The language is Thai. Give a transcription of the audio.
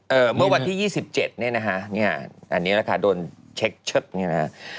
เออเมื่อวันที่๒๗เนี่ยนะฮะเนี่ยอันนี้แหละค่ะโดนเช็คเช็คเนี่ยนะฮะ